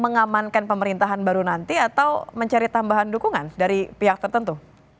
mengamankan pemerintahan baru nanti atau mencari tambahan dukungan dari pihak tertentu